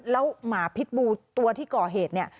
แล้วหมาพิษบูตัวที่ก่อเหตุเนี่ย